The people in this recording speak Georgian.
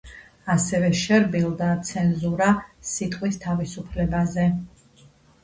ასევე შერბილდა ცენზურა სიტყვის თავისუფლებაზე.